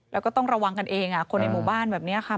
แล้วก็ต้องระวังกันเองคนในหมู่บ้านแบบนี้ค่ะ